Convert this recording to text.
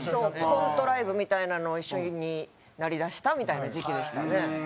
コントライブみたいなのを一緒になりだしたみたいな時期でしたね。